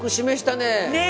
ねえ。